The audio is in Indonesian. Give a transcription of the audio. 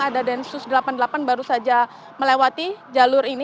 ada densus delapan puluh delapan baru saja melewati jalur ini